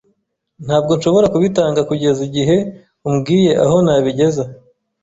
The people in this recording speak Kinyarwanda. Ntabwo nshobora kubitanga kugeza igihe umbwiye aho nabigeza.